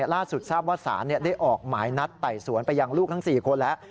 ล่าสุดทราบว่าสารได้ออกหมายนัดไต่สวนไปยังลูกทั้ง๔คนแล้ว